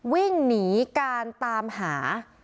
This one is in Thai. วิ่งหนีการตามหา